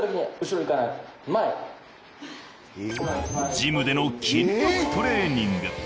ジムでの筋力トレーニング。